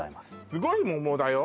すごい桃だよ